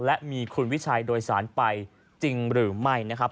และมีคุณวิชัยโดยสารไปจริงหรือไม่นะครับ